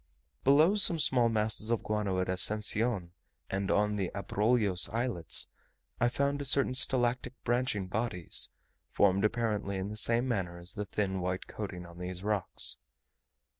Below some small masses of guano at Ascension, and on the Abrolhos Islets, I found certain stalactitic branching bodies, formed apparently in the same manner as the thin white coating on these rocks.